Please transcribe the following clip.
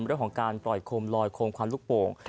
เรื่องของการปล่อยโคมลอยโคมควันลูกโป่ง